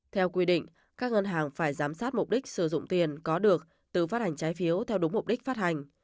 theo quy định các ngân hàng phải giám sát mục đích sử dụng tiền có được từ phát hành trái phiếu theo đúng mục đích phát hành